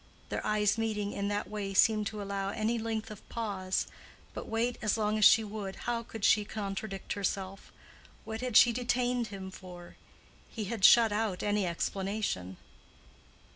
Their eyes meeting in that way seemed to allow any length of pause: but wait as long as she would, how could she contradict herself? What had she detained him for? He had shut out any explanation.